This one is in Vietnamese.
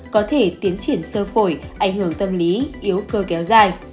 có thể tiến triển sơ phổi ảnh hưởng tâm lý yếu cơ kéo dài